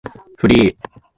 フリー